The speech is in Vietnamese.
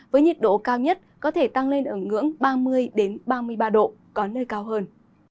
với nhiệt độ cao nhất có thể tăng lên ở ngưỡng ba mươi ba mươi ba độ có nơi cao hơn